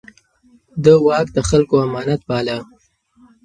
ده واک د خلکو امانت باله.